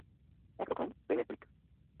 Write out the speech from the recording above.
একরকম প্রেমের পরীক্ষা।